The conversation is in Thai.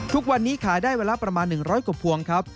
ทุกวันนี้ขายได้เวลาประมาณ๑๐๐กว่าพวงครับ